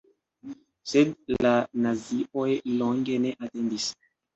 Sed la nazioj longe ne atendis.